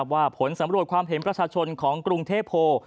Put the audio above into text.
ว่าผลสำรวจความเห็นประชาชนของกรุงเทพโพ